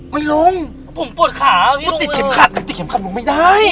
ไม่ลงผมปวดขาพี่ลงไปเลยถ้าติดเข็มขัดถ้าติดเข็มขัดมึงไม่ได้